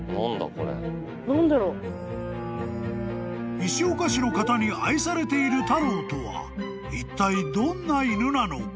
［石岡市の方に愛されているタローとはいったいどんな犬なのか？］